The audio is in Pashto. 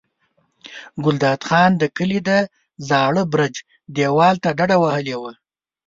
ګلداد خان د کلي د زاړه برج دېوال ته ډډه وهلې وه.